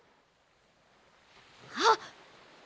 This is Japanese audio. あっ！